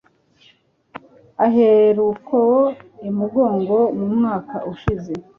aheruko i mugongo mu mwaka ushize